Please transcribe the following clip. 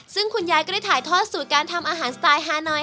ซึ่งคุณยายก็ได้ถ่ายทอดสูตรการทำอาหารสไตล์ฮานอย